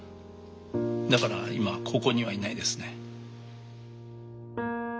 だから今ここにはいないですね。